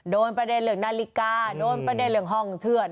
โดนประเด็นเหลืองนาฬิกาโดนประเด็นเหลืองห้องเถือด